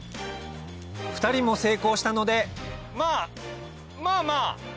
２人も成功したのでまぁまぁまぁ。